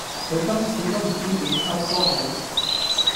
佢今次都唔知點收科好